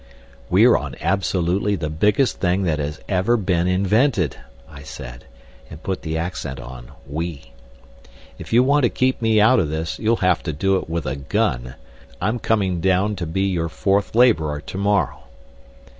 "We're on absolutely the biggest thing that has ever been invented," I said, and put the accent on "we." "If you want to keep me out of this, you'll have to do it with a gun. I'm coming down to be your fourth labourer to morrow."